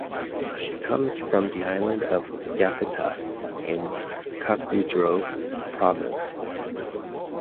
She comes from the island of Yacata in Cakaudrove Province.